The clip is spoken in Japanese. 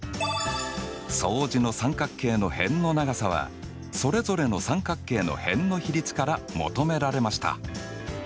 相似の三角形の辺の長さはそれぞれの三角形の辺の比率から求められました。